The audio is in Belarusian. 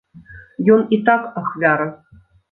Ён і так ахвяра.